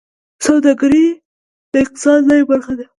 سوداګري د اقتصاد لویه برخه وه